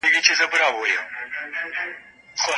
علم د راتلونکي لپاره سم اټکل وړاندې کړ.